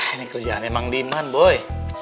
ini kerjaan emang demand boy